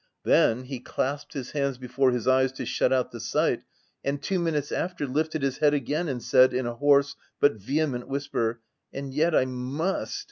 Then, he clasped his hands before his eyes to shut out the sight, and two minutes after, lifted his head again, and said, in a hoarse but vehement whisper, —" e And yet I must